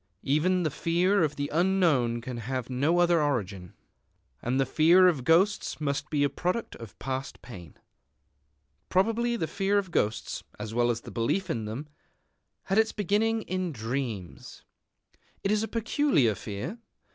Even the fear of the unknown can have no other origin. And the fear of ghosts must be a product of past pain. Probably the fear of ghosts, as well as the belief in them, had its beginning in dreams. It is a peculiar fear.